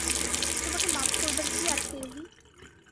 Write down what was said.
তোমাকে মাপ করবার কী আছে এলী?